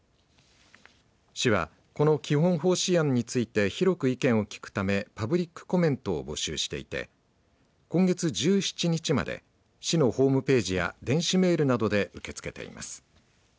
市は、この基本方針案について広く意見を聞くためパブリックコメントを募集していて今月１７日まで市のホームページや電子メールなどで受け付けています。